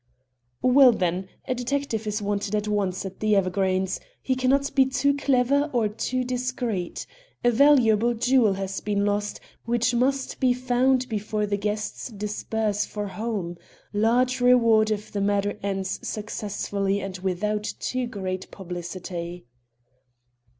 "Well, then, a detective is wanted at once at The Evergreens. He can not be too clever or too discreet. A valuable jewel has been lost, which must be found before the guests disperse for home. Large reward if the matter ends successfully and without too great publicity."